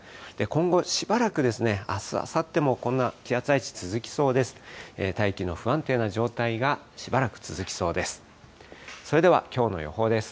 今後、しばらく、あす、あさってもこんな気圧配置続きそうです。